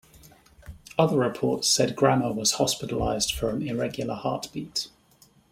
Other reports said Grammer was hospitalized for an irregular heartbeat.